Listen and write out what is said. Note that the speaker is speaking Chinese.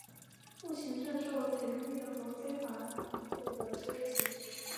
目前正受采金业和非法伐木的威胁。